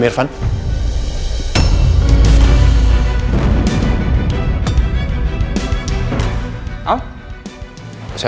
gue bawa makanannya ke kamar aja deh